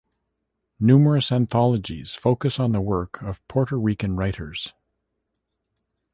Numerous anthologies focus on the work of Puerto Rican writers.